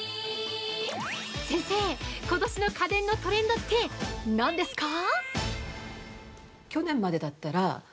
先生、ことしの家電のトレンドって何ですか？